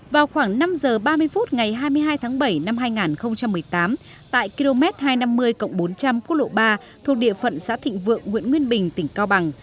vào khoảng năm h ba mươi phút ngày hai mươi hai tháng bảy năm hai nghìn một mươi tám tại km hai trăm năm mươi bốn trăm linh quốc lộ ba thuộc địa phận xã thịnh vượng huyện nguyên bình tỉnh cao bằng